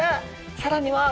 さらには。